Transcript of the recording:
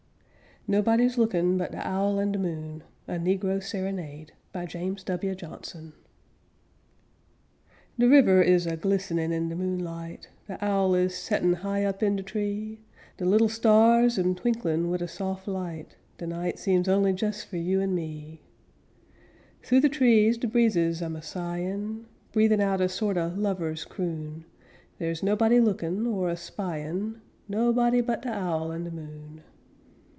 NOBODY'S LOOKIN' BUT DE OWL AND DE MOON (A Negro Serenade) De river is a glistenin' in de moonlight, De owl is set'n high up in de tree; De little stars am twinklin' wid a sof' light, De night seems only jes fu' you an' me. Thoo de trees de breezes am a sighin', Breathin' out a sort o' lover's croon, Der's nobody lookin' or a spyin', Nobody but de owl an' de moon.